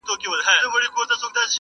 کفن په غاړه ګرځومه قاسم یاره پوه یم.